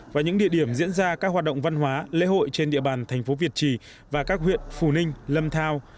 và những địa điểm diễn ra các hoạt động văn hóa lễ hội trên địa bàn thành phố việt trì và các huyện phù ninh lâm thao